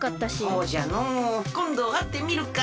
そうじゃのうこんどあってみるか。